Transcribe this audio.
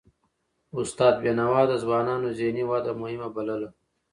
استاد بينوا د ځوانانو ذهني وده مهمه بلله.